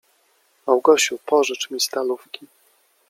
— Małgosiu, pożycz mi stalówki.